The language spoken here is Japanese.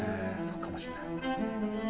そうかもしれない。